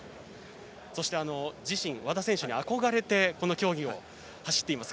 そして、自身、和田選手に憧れてこの競技を走っています